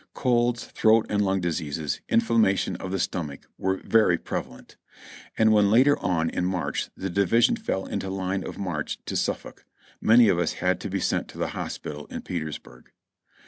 Colds, throat and lung diseases, inflammation of the stomach were very prevalent, and when later on in March the division fell into line of march to Sufifolk, many of us had to be sent to the hospital in Petersburg.